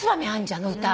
あの歌。